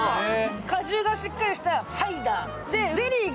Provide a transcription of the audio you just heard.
果汁がしっかりしたサイダー。